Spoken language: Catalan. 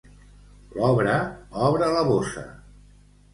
L'obra obre la bossa.